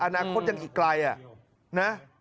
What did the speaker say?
อนาคตยังอีกไกลนะ